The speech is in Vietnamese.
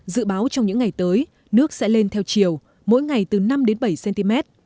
dự báo trong những ngày tới nước sẽ lên theo chiều mỗi ngày từ năm đến bảy cm